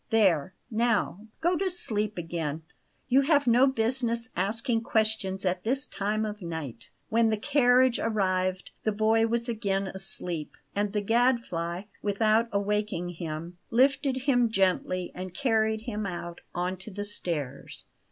There, now, go to sleep again; you have no business asking questions at this time of night." When the carriage arrived the boy was again asleep; and the Gadfly, without awaking him, lifted him gently and carried him out on to the stairs.